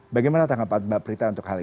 bagaimana tanggapan mbak prita untuk hal ini